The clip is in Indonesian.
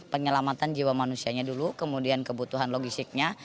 penyelamatan jiwa manusianya dulu kemudian kebutuhan logistiknya